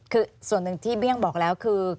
คือส่วนหนึ่งที่เบี้ยงบอกแล้วคือ